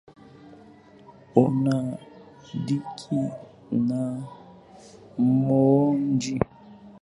Una dhiki na maonjo